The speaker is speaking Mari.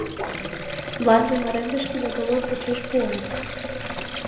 Мландым арендышке договор почеш пуат.